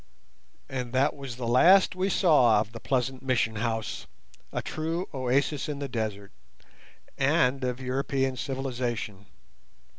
And that was the last we saw of the pleasant Mission house—a true oasis in the desert—and of European civilization.